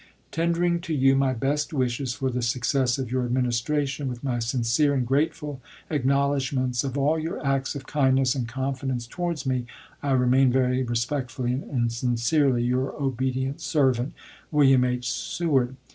Tendering to you my best wishes for the success of your Administration, with my sincere and grateful ac knowledgments of all your acts of kindness and confi dence towards me, I remain, very respectfully and sincerely, Your obedient servant, William H. Seward.